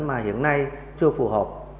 mà hiện nay chưa phù hợp